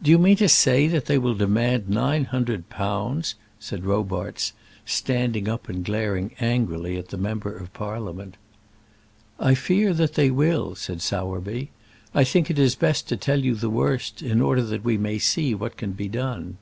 "Do you mean that they will demand nine hundred pounds?" said Robarts, standing up and glaring angrily at the member of Parliament. "I fear that they will," said Sowerby. "I think it is best to tell you the worst, in order that we may see what can be done."